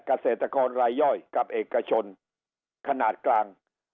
เกษตรกรรายย่อยกับเอกชนขนาดกลาง